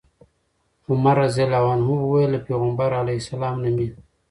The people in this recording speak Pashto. عمر رضي الله عنه وويل: له پيغمبر عليه السلام نه مي